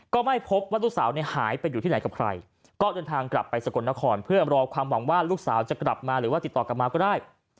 ก็ไม่พบว่าลูกสาวเนี่ยหายไปอยู่ที่ไหนกับใครก็เดินทางกลับไปสกลนครเพื่อรอความหวังว่าลูกสาวจะกลับมาหรือว่าติดต่อกลับมาก็ได้